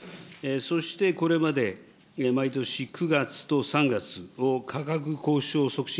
そして、これまで毎年９月と３月を価格交渉促進